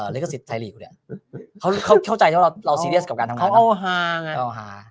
แล้วก็สิทธิ์ไทยหลีกเขาเข้าใจว่าเราซีเรียสกับการทำงานเขาเอาหา